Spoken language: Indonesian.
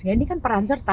ini kan peran serta